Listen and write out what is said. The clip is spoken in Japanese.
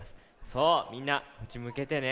そうみんなこっちむけてね。